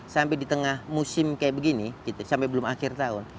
sampai di tengah musim kayak begini sampai belum akhir tahun